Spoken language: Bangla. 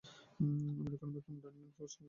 আমি রক্ষণাবেক্ষণের ড্যান ইয়াং এর সঙ্গে কথা বলছিলাম।